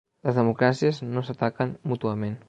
Les democràcies no s'ataquen mútuament.